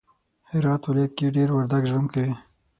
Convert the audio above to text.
هرات ولایت کی دیر وردگ ژوند کوی